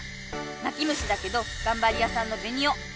「『な』き虫だけどがんばりやさんのベニ『オ』」！